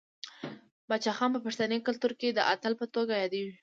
باچا خان په پښتني کلتور کې د اتل په توګه یادیږي.